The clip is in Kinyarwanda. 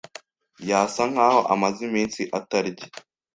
Yasa nkaho amaze iminsi atarya.